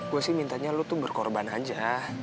gue sih mintanya lu tuh berkorban aja